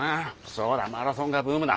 そうだマラソンがブームだ。